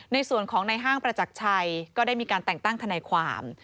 ในส่วนของในห้างประจักรชัยก็ได้มีการแต่งตั้งทนายความ